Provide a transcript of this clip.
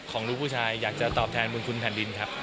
ของลูกผู้ชายอยากจะตอบแทนบุญคุณแผ่นดินครับ